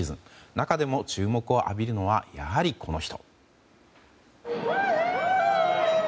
中でも注目を浴びるのはやはり、この人。